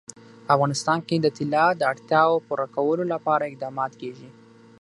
په افغانستان کې د طلا د اړتیاوو پوره کولو لپاره اقدامات کېږي.